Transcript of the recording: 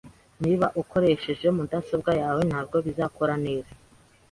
Niba ukoresheje mudasobwa yawe, ntabwo bizakora neza